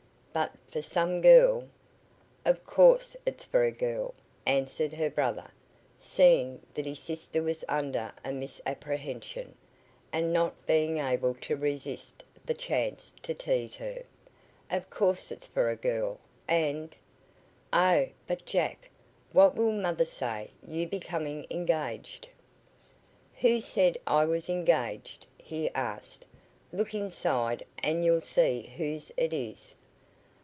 "But for some girl " "Of course it's for a girl," answered her brother, seeing that his sister was under a misapprehension, and not being able to resist the chance to tease her. "Of course it's for a girl. And " "Oh! But Jack, what will mother say you becoming engaged " "Who said I was engaged?" he asked. "Look inside and you'll see whose it is."